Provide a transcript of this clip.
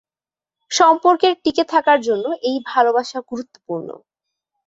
সম্পর্কের টিকে থাকার জন্য এই ভালোবাসা গুরুত্বপূর্ণ।